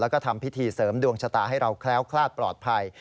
แล้วก็ทำพิธีเสริมดวงชะตาให้เราแคล้วคลาดปลอดภัย